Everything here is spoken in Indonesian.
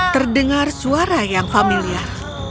terdengar suara yang familiar